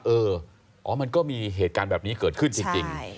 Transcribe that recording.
เอออ๋อมันก็มีเหตุการณ์แบบนี้เกิดขึ้นจริง